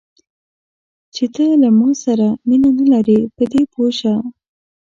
چې ته له ما سره مینه نه لرې، په دې پوه شه.